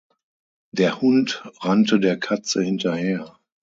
Der Hund rannte der Katze hinterher.